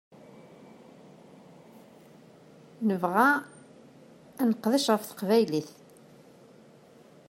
Nebɣa ad neqdec ɣef teqbaylit.